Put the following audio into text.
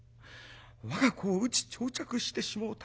我が子を打ち打擲してしもうた。